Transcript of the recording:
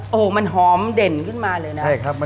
โอ้โหมันหอมเด่นขึ้นมาเลยนะ